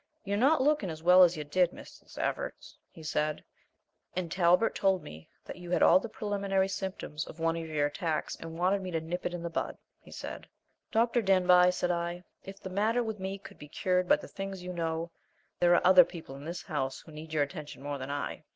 "You're not looking as well as you did, Mrs. Evarts," he said, "and Talbert told me that you had all the preliminary symptoms of one of your attacks and wanted me to 'nip it in the bud,' he said." "Dr. Denbigh," said I, "if the matter with me could be cured by the things you know, there are other people in this house who need your attention more than I."